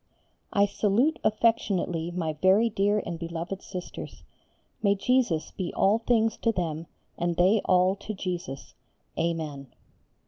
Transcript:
I salute affectionately my very dear and beloved Sisters. May Jesus be all things to them, and they all to Jesus. Amen.